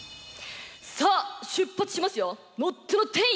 さあ出発しますよ！